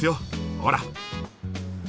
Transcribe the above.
ほら！